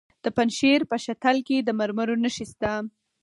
د پنجشیر په شتل کې د مرمرو نښې شته.